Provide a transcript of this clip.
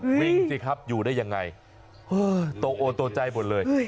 วิ่งสิครับอยู่ได้ยังไงโตโอโตใจหมดเลย